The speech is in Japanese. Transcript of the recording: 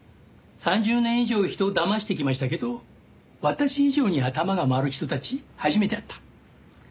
３０年以上人をだましてきましたけど私以上に頭が回る人たち初めて会った。